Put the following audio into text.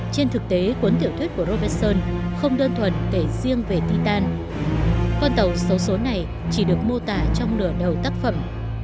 trên thực tế cuốn tiểu thuyết của romerson không đơn thuần kể riêng về titan con tàu xấu số này chỉ được mô tả trong nửa đầu tác phẩm